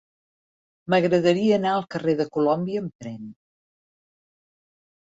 M'agradaria anar al carrer de Colòmbia amb tren.